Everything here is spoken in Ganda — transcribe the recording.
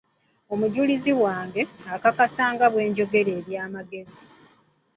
Omujulizi wange, akakasa nga bwe njogera eby'amazima.